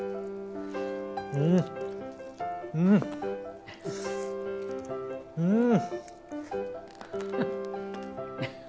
うんうんうん！